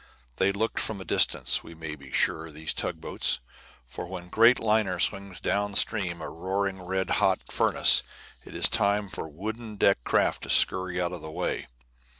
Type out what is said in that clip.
They looked from a distance, we may be sure, these tug boats; for when a great liner swings down stream, a roaring, red hot furnace, it is time for wooden deck craft to scurry out of the way.